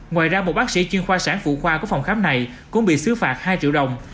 ngoài ra một bác sĩ chuyên khoa sản phụ khoa của phòng khám này cũng bị xứ phạt hai triệu đồng